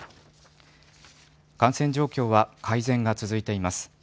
感染状況は改善が続いています。